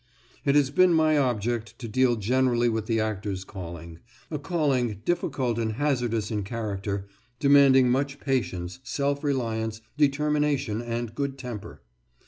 It has been my object to deal generally with the actor's calling, a calling, difficult and hazardous in character, demanding much patience, self reliance, determination, and good temper.